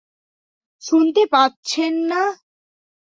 শুনতে পাচ্ছেন না?